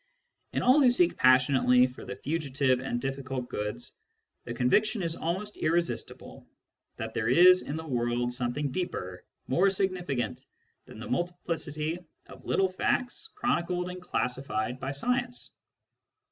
In aU who seek passionately for the fugitive and difficult goods, the conviction is almost irresistible that there is in the world something deeper, more significant, than the multi plicity of little facts chronicled and classified by science.